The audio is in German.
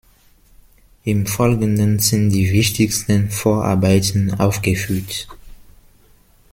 Im Folgenden sind die wichtigsten Vorarbeiten aufgeführt.